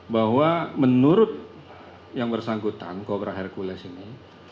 bahwa menurut yang bersangkutan kobra hercules ini